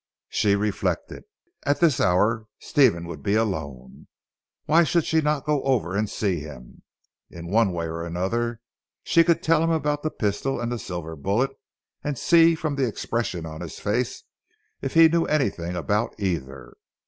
She reflected. At this hour Stephen would be alone. Why should she not go over and see him. In one way or another she could tell him about the pistol and the silver bullet and see from the expression of his face if he knew anything about either.